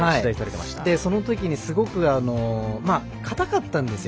そのときに硬かったんですよ。